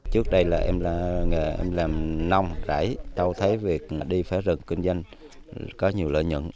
trước đây là em làm nông rãi đâu thấy việc đi phá rừng kinh doanh có nhiều lợi nhuận